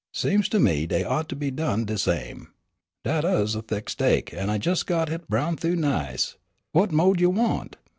Seems to me dey ought to be done de same. Dat uz a thick steak, an' I jes' got hit browned thoo nice. What mo'd you want?